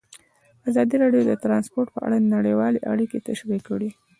ازادي راډیو د ترانسپورټ په اړه نړیوالې اړیکې تشریح کړي.